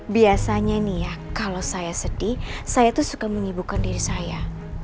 biasanya nih ya kalau saya sedih saya itu suka menyibukkan diri saya